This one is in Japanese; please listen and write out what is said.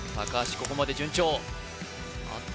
ここまで順調あっと